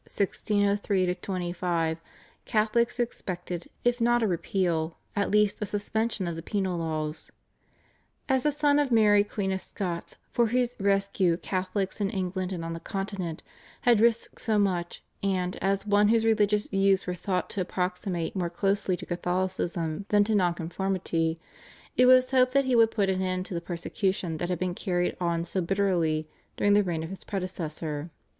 (1603 25) Catholics expected if not a repeal at least a suspension of the penal laws. As a son of Mary Queen of Scots for whose rescue Catholics in England and on the Continent had risked so much, and as one whose religious views were thought to approximate more closely to Catholicism than to Nonconformity, it was hoped that he would put an end to the persecution that had been carried on so bitterly during the reign of his predecessor.